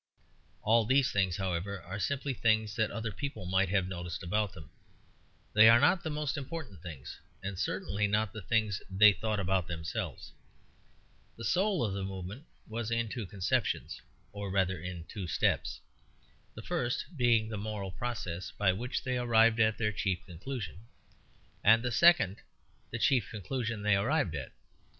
All these things, however, are simply things that other people might have noticed about them; they are not the most important things, and certainly not the things they thought about themselves. The soul of the movement was in two conceptions, or rather in two steps, the first being the moral process by which they arrived at their chief conclusion, and the second the chief conclusion they arrived at.